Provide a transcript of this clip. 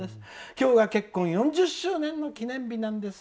今日が結婚４０周年の記念日なんです。